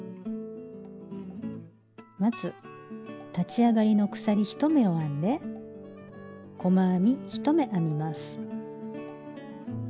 まず立ち上がりの鎖１目を編んで細編み１目編みます。